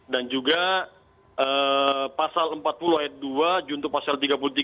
dan juga pasal empat puluh dua juntu pasal tiga puluh tiga tiga